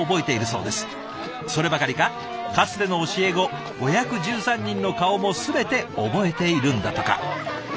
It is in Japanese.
そればかりかかつての教え子５１３人の顔も全て覚えているんだとか。